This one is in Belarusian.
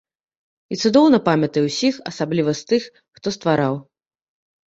І цудоўна памятаю ўсіх, асабліва з тых, хто ствараў.